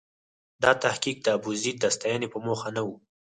دا تحقیق د ابوزید د ستاینې په موخه نه و.